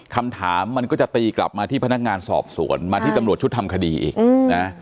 คำถามมันก็จะตีกลับมาที่พนักงานสอบสวนมาที่ตำรวจชุดทำคดีนะ